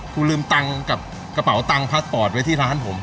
ลืมตังค์กับกระเป๋าตังค์พาสปอร์ตไว้ที่ร้านผม